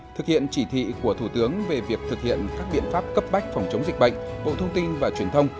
thực hiện chỉ thị của thủ tướng về việc thực hiện các biện pháp cấp bách phòng chống dịch bệnh bộ thông tin và truyền thông